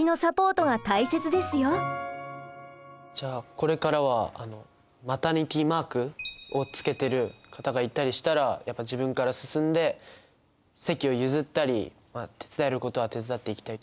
じゃあこれからはマタニティマークを付けてる方がいたりしたらやっぱ自分から進んで席を譲ったり手伝えることは手伝っていきたいと思いました。